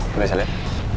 boleh saya lihat